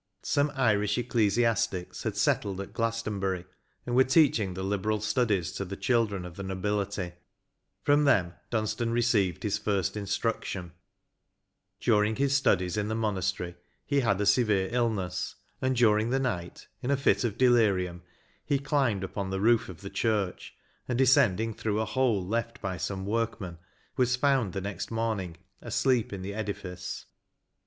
Some Irish ecclesiastics had settled at Glastonbury, and were teaching the liberal studies to the children of the nobility ; from them Dunstan received his first instruction : during his stucQes in the monastery he bad a severe illness, and during the night, in a fit of delirium, he climbed upon the roof of the church, and, descending through a hole left by some workmen, was found the next morning asleep in the edifice.